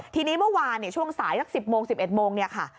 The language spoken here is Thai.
ทีนี้เมื่อวานช่วงสายสัก๑๐โมง๑๑โมงเนี่ยค่ะ